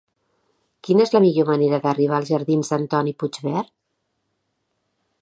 Quina és la millor manera d'arribar als jardins d'Antoni Puigvert?